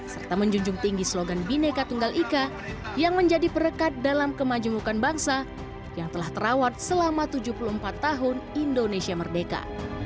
serta menjunjung tinggi slogan bineka tunggal ika yang menjadi perekat dalam kemajumukan bangsa yang telah terawat selama tujuh puluh empat tahun indonesia merdeka